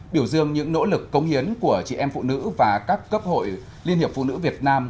biểu dương những nỗ lực công hiến của chị em phụ nữ và các cấp hội liên hiệp phụ nữ việt nam